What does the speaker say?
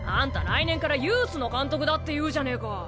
来年からユースの監督だっていうじゃねえか。